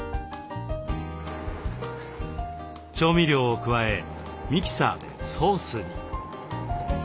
調味料を加えミキサーでソースに。